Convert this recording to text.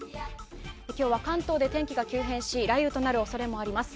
今日は関東で天気が急変し雷雨となる恐れがあります。